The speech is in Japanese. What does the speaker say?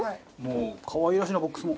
可愛らしいなボックスも。